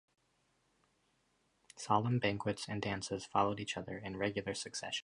Solemn banquets and dances followed each other in regular succession.